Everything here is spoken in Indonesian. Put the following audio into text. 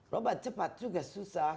roba cepat juga susah